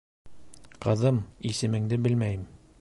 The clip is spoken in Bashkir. -Ҡыҙым, исемеңде белмәйем.